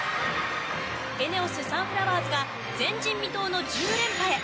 ＥＮＥＯＳサンフラワーズが前人未到の１０連覇へ。